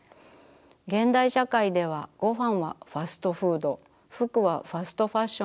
現代社会ではごはんはファストフード服はファストファッション中心。